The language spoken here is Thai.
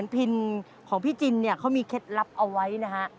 พินของพี่จินเนี่ยเขามีเคล็ดลับเอาไว้นะฮะ